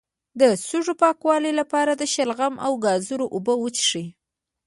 د سږو د پاکوالي لپاره د شلغم او ګازرې اوبه وڅښئ